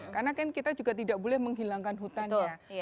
karena kan kita juga tidak boleh menghilangkan hutannya